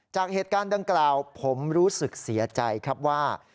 จากเหตุการณ์ดังกล่าวผมรู้สึกเสียใจครับว่า